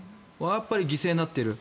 やっぱり犠牲になっている。